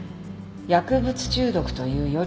薬物中毒というよりは。